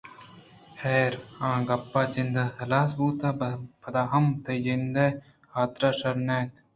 حیر! آ گپ ءِ جند ہلاس بوت پدا ہم تئی جند ءِ حاترا شر نہ اِنت